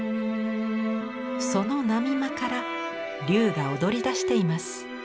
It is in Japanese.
その波間から龍がおどりだしています。